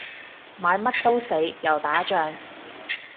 買乜都死，又打仗